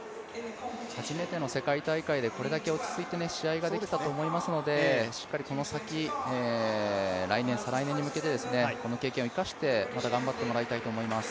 初めての世界大会で、これだけ落ち着いて試合ができたと思いますのでしっかりこの先、来年、再来年に向けてこの経験を生かしてまた頑張ってもらいたいと思います。